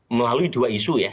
melalui dua isu ya